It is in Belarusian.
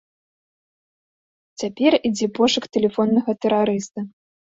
Цяпер ідзе пошук тэлефоннага тэрарыста.